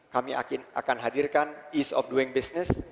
kami akan hadirkan ease of doing business